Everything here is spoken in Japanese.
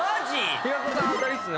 平子さん当たりっすね